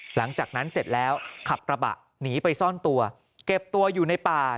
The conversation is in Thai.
หลังจากนั้นเสร็จแล้วขับกระบะหนีไปซ่อนตัวเก็บตัวอยู่ในป่า